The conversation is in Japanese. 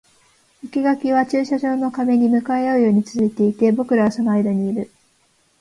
生垣は駐車場の壁に向かい合うように続いていて、僕らはその間にいる